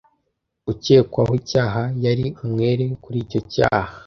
Ukekwaho icyaha yari umwere kuri icyo cyaha.